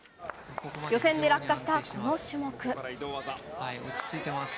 予選で落下したこの種目。